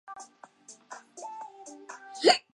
在紧急状况时亦会向乘客发放重要讯息。